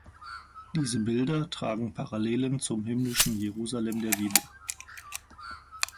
Diese Bilder tragen Parallelen zum himmlischen Jerusalem der Bibel.